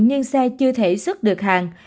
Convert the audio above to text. nhưng xe chưa thể xuất được hàng